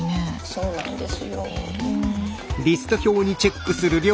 そうなんですよ。